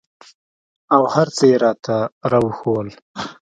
او هرڅه يې راته راوښوول.